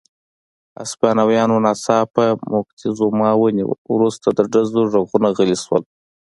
هسپانویانو ناڅاپه موکتیزوما ونیوه، وروسته د ډزو غږونه غلي شول.